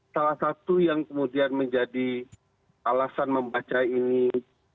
salah satu yang kemudian menjadi alasan membaca ini